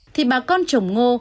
thì bà con trồng ngô